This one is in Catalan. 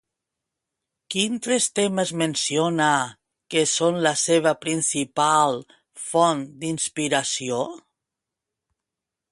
Quins tres temes menciona que són la seva principal font d'inspiració?